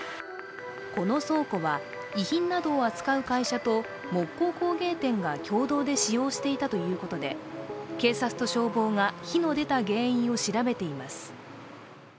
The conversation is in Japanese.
この倉庫は遺品などを扱う会社と木工工芸店が共同で使用していたということで、警察と消防が火の出た原因を調べています。